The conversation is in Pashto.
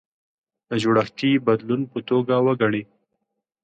د جوړښتي بدلون په توګه وګڼي.